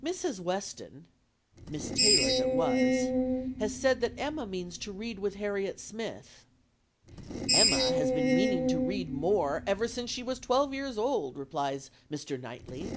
Mrs. Weston ("Miss Taylor that was") has said that Emma means to read with Harriet Smith "'Emma has been meaning to read more ever since she was twelve years old,' replies Mr. Knightley.